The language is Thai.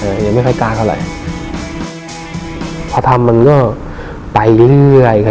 ยังไม่ค่อยกล้าเท่าไหร่พอทำมันก็ไปเรื่อยเรื่อย